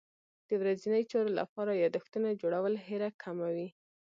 د ورځني چارو لپاره یادښتونه جوړول هېره کمه وي.